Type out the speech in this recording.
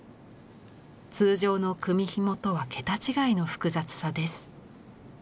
通常の組紐とは桁違いの複雑さです。